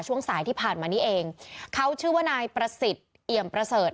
ช่วงสายที่ผ่านมานี้เองเขาชื่อว่านายประสิทธิ์เอี่ยมประเสริฐ